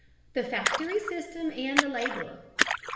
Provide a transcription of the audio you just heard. THE FACTORY SYSTEM AND THE LABORER.